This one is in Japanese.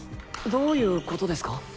どういう事ですか？